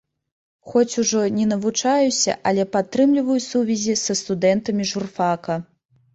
Хоць ужо не навучаюся, але падтрымліваю сувязі са студэнтамі журфака.